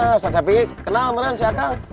ustadz shafi'i kenal meren si akal